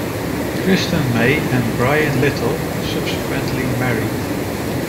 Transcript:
Kristen May and Brian Little subsequently married.